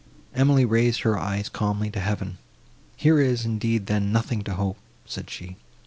Emily raised her eyes calmly to heaven. "Here is, indeed, then, nothing to hope!" said she.